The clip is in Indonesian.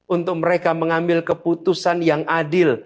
untuk mereka mengambil keputusan yang adil